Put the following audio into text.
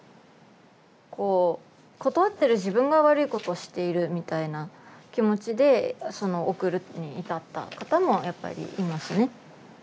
こう断ってる自分が悪いことをしているみたいな気持ちで送るに至った方もやっぱりいますね。